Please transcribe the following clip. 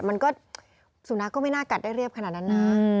มันก็สุนัขก็ไม่น่ากัดได้เรียบขนาดนั้นนะ